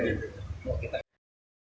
masih ada yang terdengar